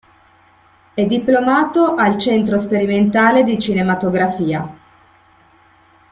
È diplomato al Centro Sperimentale di Cinematografia.